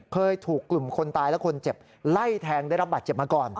เคยถูกกลุ่มคนตายและคนเจ็บไล่แทงได้รับบาดเจ็บมาก่อน